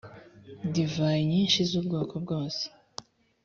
divayi nyinshi z’ubwoko bwose.